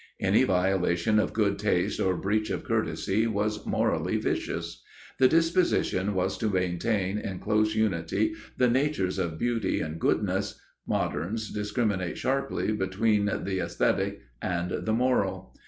Any violation of good taste or breach of courtesy was morally vicious. The disposition was to maintain in close unity the natures of beauty and goodness (καλοκἀγαθία); moderns discriminate sharply between the æsthetic and the moral.